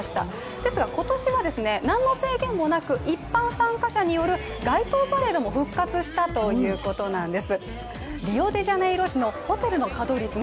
ですが、今年は何の制限もなく一般参加者による街頭パレードも復活したということです。